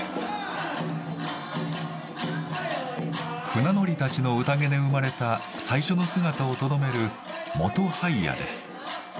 船乗りたちの宴で生まれた最初の姿をとどめる元ハイヤです。